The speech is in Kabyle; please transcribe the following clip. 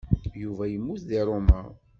Yuba yemmut deg Roma.